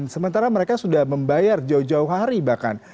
sementara mereka sudah membayar jauh jauh hari bahkan